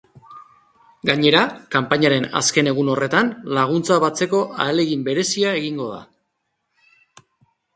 Gainera, kanpainaren azken egun horretan laguntza batzeko ahalegin berezia egingo da.